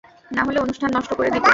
নাহলে অনুষ্ঠান নষ্ট করে দিত।